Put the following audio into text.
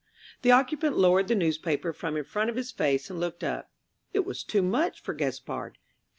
The occupant lowered the newspaper from in front of his face and looked up. It was too much for Gaspard.